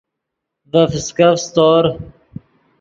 ڤے فسکف سیتور